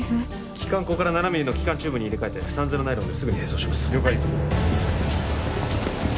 気管孔から７ミリの気管チューブに入れ替えて３−０ナイロンですぐに閉創します了解